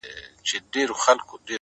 زما خوله كي شپېلۍ اشنا-